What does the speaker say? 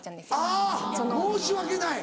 あぁ「申し訳ない」。